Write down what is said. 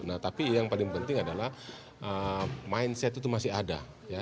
nah tapi yang paling penting adalah mindset itu masih ada